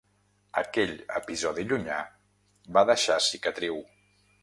Aquell episodi llunyà va deixar cicatriu.